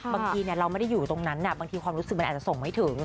บางทีเราไม่ได้อยู่ตรงนั้นบางทีความรู้สึกมันอาจจะส่งไม่ถึง